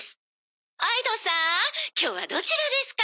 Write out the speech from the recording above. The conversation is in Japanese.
相戸さん今日はどちらですか？